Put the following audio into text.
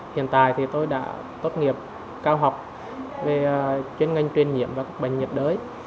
hiện tại thì tôi đã tốt nghiệp cao học về chuyên ngành truyền nhiễm và các bệnh nhiệt đới